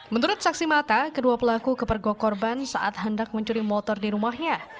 menurut saksi mata kedua pelaku kepergok korban saat hendak mencuri motor di rumahnya